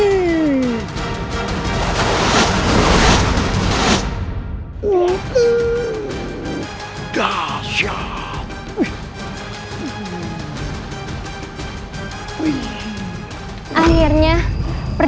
pergi ke tempat yang paling baik